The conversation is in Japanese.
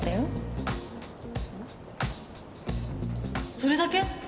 それだけ？